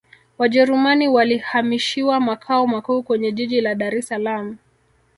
wajerumani walihamishiwa makao makuu kwenye jiji la dar es salaam